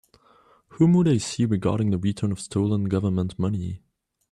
Whom would I see regarding the return of stolen Government money?